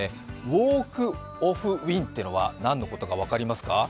ウォーク・オフ・ウィンというのは何のことか分かりますか？